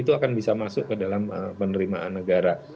itu akan bisa masuk ke dalam penerimaan negara